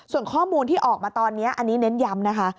ส่วนข้อมูลที่ออกมาตอนนี้อันนี้เน้นย้ำนะคะ